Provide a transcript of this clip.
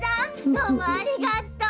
どうもありがとう。